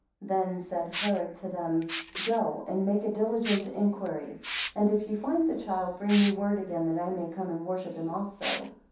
8 Then said Herod to them, Go and make diligent inquiry; and if ye find the child, bring me word again, that I may come and worship him also.